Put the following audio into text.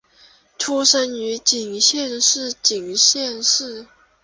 出身于岐阜县岐阜市。